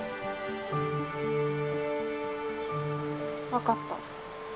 わかった。